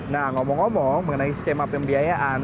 nah ngomong ngomong mengenai skema pembiayaan